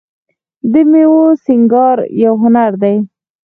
د میوو سینګار یو هنر دی.